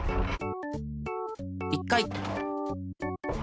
１回。